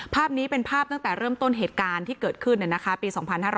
ภาพนี้เป็นภาพตั้งแต่เริ่มต้นเหตุการณ์ที่เกิดขึ้นปี๒๕๕๙